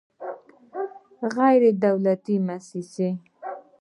غیر دولتي موسسه